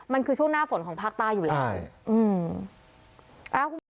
มันคือช่วงหน้าฝนของภาคใต้อยู่แล้ว